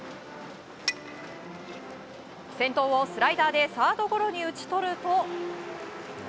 先頭をスライダーでサードゴロに打ち取ると。